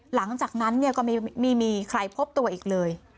หลังจากนั้นเนี่ยก็ไม่มีมีมีใครพบตัวอีกเลย